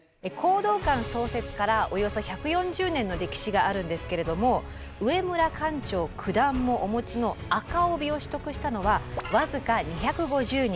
講道館創設からおよそ１４０年の歴史があるんですけれども上村館長九段もお持ちの紅帯を取得したのは僅か２５０人。